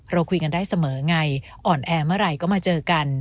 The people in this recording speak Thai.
เราคุยกันได้เสมอไงอ่อนแอเมื่อไหร่ก็มาเจอกัน